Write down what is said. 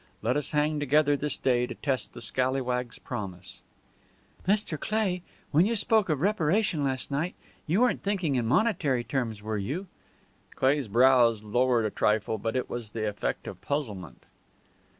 Let us hang together this day to test the scalawag's promise." "Mr. Cleigh, when you spoke of reparation last night, you weren't thinking in monetary terms, were you?" Cleigh's brows lowered a trifle, but it was the effect of puzzlement.